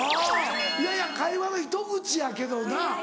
いやいや会話の糸口やけどな。